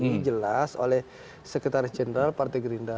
ini jelas oleh sekretaris jenderal partai gerindra